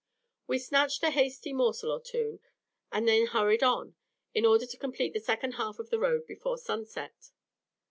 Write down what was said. We snatched a hasty morsel or two, and then hurried on, in order to complete the second half of the road before sunset.